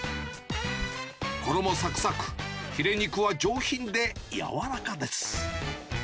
衣さくさく、ひれ肉は上品で柔らかです。